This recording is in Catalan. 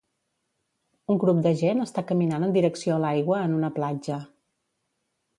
Un grup de gent està caminant en direcció a l'aigua en una platja